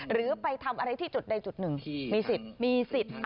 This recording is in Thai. หรือไปทำอะไรที่จุดใดจุดหนึ่งมีสิทธิ์